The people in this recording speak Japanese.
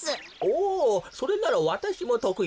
おそれならわたしもとくいですぞ。